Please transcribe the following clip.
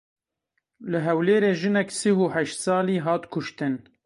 Li Hewlêrê jinek sih û heşt salî hat kuştin.